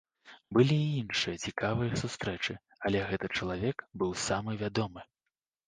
Былі і іншыя цікавыя сустрэчы, але гэты чалавек быў самы вядомы.